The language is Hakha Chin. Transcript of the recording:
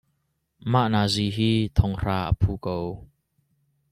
Mah nazi hi thong hra a phu ko.